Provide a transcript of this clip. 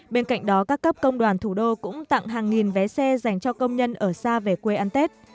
bên cạnh đó các cấp công đoàn thủ đô cũng tặng hàng nghìn vé xe dành cho công nhân ở xa về quê ăn tết